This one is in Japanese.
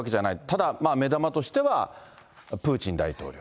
ただ、目玉としては、プーチン大統領。